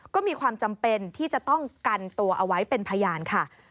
ก็มีความจำเป็นที่จะต้องกันตัวเอาไว้เป็นพยานค่ะ